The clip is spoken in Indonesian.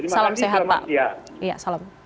salam sehat pak